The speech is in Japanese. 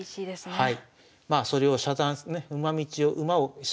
はい。